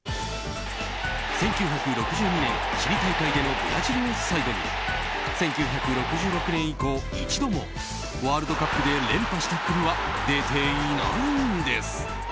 １９６２年チリ大会でのブラジルを最後に１９６６年以降、一度もワールドカップで連覇した国は出ていないんです。